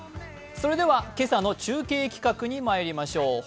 今朝の中継企画にまいりましょう。